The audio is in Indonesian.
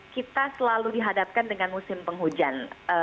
kita selalu dihadapkan dengan musim penghujan